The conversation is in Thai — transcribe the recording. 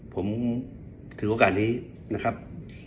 ผมถือโอกาสนี้นะครับ